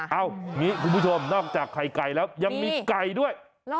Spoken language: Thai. เอาอย่างนี้คุณผู้ชมนอกจากไข่ไก่แล้วยังมีไก่ด้วย